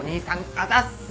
あざっす！